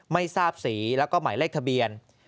ไม่ทราบสีแล้วก็หมายเลขทะเบียน